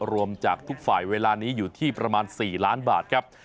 รวมจากทุกฝ่ายเวลานี้อยู่ที่ประมาณ๔ล้านบาทครับ